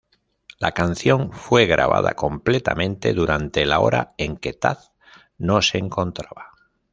La canción fue grabada completamente durante la hora en que Tad no se encontraba.